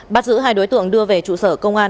bắt giữ hai đối tượng đưa về trụ sở công an